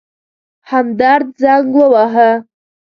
همدرد زنګ وواهه.